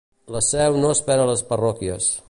La Seu no espera les parròquies.